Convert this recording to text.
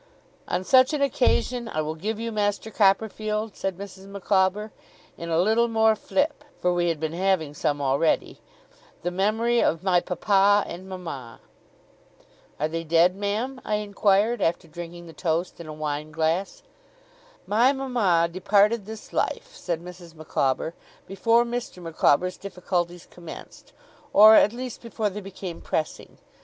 'On such an occasion I will give you, Master Copperfield,' said Mrs. Micawber, 'in a little more flip,' for we had been having some already, 'the memory of my papa and mama.' 'Are they dead, ma'am?' I inquired, after drinking the toast in a wine glass. 'My mama departed this life,' said Mrs. Micawber, 'before Mr. Micawber's difficulties commenced, or at least before they became pressing.